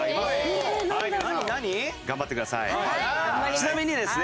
ちなみにですね